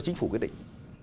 chính phủ quyết định